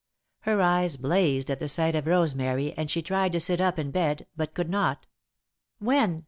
Her eyes blazed at the sight of Rosemary and she tried to sit up in bed, but could not. "When?"